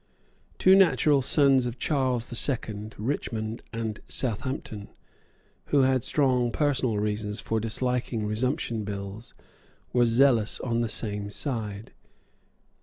Two natural sons of Charles the Second, Richmond and Southampton, who had strong personal reasons for disliking resumption bills, were zealous on the same side.